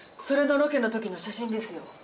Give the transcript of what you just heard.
それのロケの時の写真ですよ。